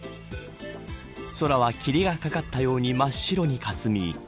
空は霧が掛かったように真っ白にかすみ。